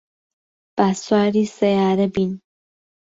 با سواری سەیارە بین.